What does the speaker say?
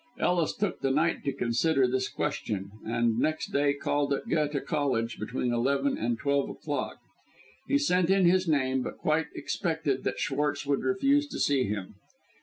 Ellis took the night to consider this question, and next day called at Goethe Cottage between eleven and twelve o'clock. He sent in his name, but quite expected that Schwartz would refuse to see him.